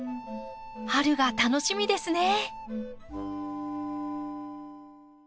春が楽しみですね。